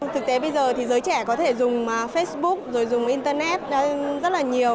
thực tế bây giờ thì giới trẻ có thể dùng facebook rồi dùng internet rất là nhiều